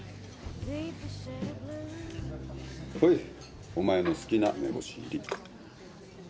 ほいお前の好きな梅干し入り。